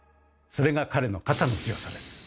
それが彼の肩の強さです。